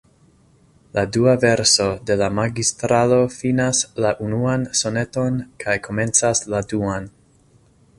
La dua verso de la Magistralo finas la unuan soneton kaj komencas la duan.